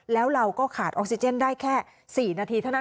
แล้วเราก็ขาดออกซิเจนได้แค่๔นาทีเท่านั้น